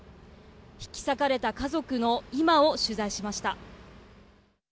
引き裂かれた家族の今を取材しました。